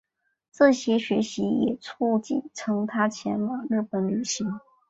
这些学习也促成他前往日本旅行。